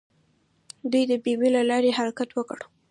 دوی د بمیي له لارې حرکت وکړ.